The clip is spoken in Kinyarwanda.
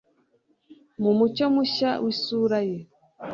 mu mucyo mushya w'isura ye